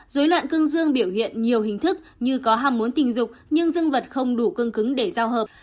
dối loạn cương dương biểu hiện nhiều hình thức như có ham muốn tình dục nhưng dương vật không đủ cương cứng để giao hợp